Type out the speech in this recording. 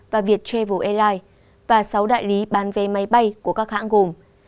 và viettravel airlines và sáu đại lý bán vé máy bay của các hãng gồm